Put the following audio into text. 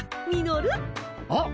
あっ！